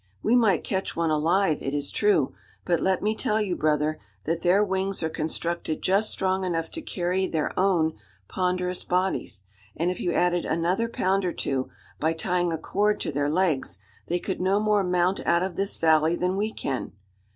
We might catch one alive, it is true; but let me tell you, brother, that their wings are constructed just strong enough to carry their own ponderous bodies; and if you added another pound or two, by tying a cord to their legs, they could no more mount out of this valley than we can.